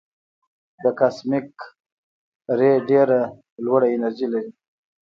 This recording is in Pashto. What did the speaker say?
د کاسمک رې ډېره لوړه انرژي لري.